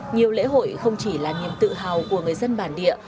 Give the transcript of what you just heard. nhiều lễ hội không chỉ là niềm tự hào của người dân bản địa